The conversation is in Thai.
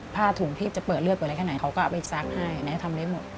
ผ้าถุงพี่จะเปิดเลือดกว่าอะไรแค่ไหนเขาก็เอาไปซักให้นะทำได้หมด